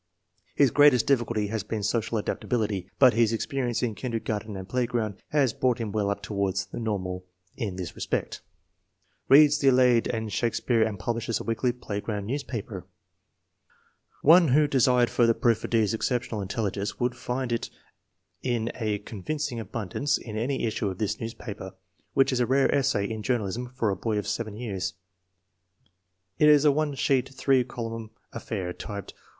His greatest difficulty has been social adaptability, but his experience in kindergarten and playground has brought him well up toward the nor mal in this respect. Reads the Iliad and Shakespeare and publishes a weekly playground newspaper." One who desired further proof of D.'s exceptional intelligence would find it in convincing abundance in any issue of this newspaper, which is a rare essay in journalism for a boy of 7 years. It is a one sheet, three column affair, typed.